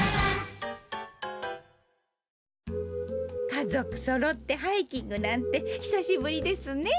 かぞくそろってハイキングなんてひさしぶりですねえ。